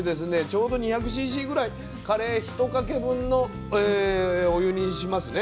ちょうど２００ｃｃぐらいカレー１かけ分のお湯にしますね。